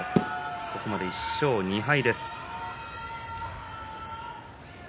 ここまで１勝２敗。